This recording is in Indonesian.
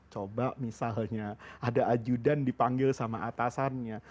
coba misalnya ada ajudan dipanggil sama atasannya